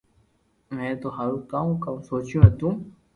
مي ٿو ھارو ڪاو ڪاو سوچيو ھتو